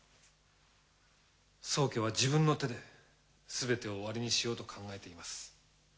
宗家は自分の手ですべてを終わりにしようと考えています。